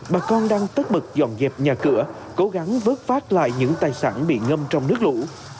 bà con đang tất bật dọn dẹp nhà cửa cố gắng vớt phát lại những tài sản bị ngâm trong nước lũ